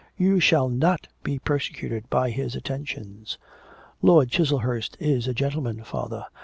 'You shall not be persecuted by his attentions.' 'Lord Chiselhurst is a gentleman, father.